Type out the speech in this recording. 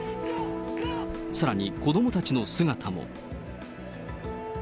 さらに子どもたちの姿も。